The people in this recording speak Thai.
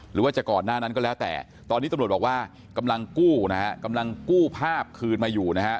หรือว่าจะก่อนหน้านั้นก็แล้วแต่ตอนนี้ตำรวจบอกว่ากำลังกู้ภาพคืนมาอยู่นะครับ